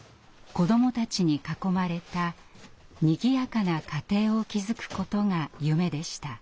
子どもたちに囲まれたにぎやかな家庭を築くことが夢でした。